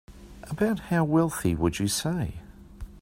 About how wealthy would you say?